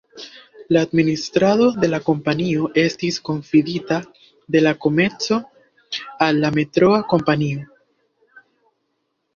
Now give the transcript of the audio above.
La administrado de la kompanio estis konfidita de la komenco al la Metroa kompanio.